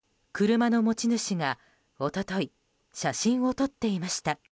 車の持ち主が一昨日写真を撮っていました。